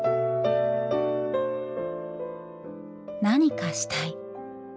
何かしたい。